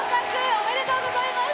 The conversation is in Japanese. おめでとうございます。